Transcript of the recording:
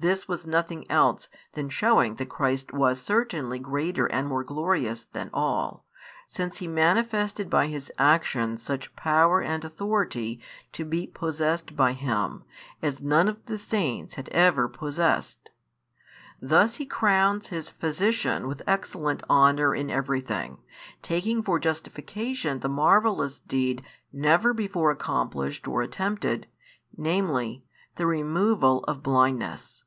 This was nothing else than shewing that Christ was certainly greater and more glorious than all, since He manifested by His actions such power and authority to be possessed by Him, as none of the saints had ever possessed. Thus he crowns his Physician with excellent honour in every thing, taking for justification the marvellous deed never before accomplished or attempted, namely, the removal of blindness.